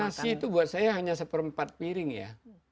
nasi itu buat saya hanya seperempat piring ya